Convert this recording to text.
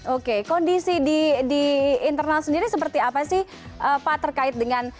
oke kondisi di internal sendiri seperti apa sih pak terkait dengan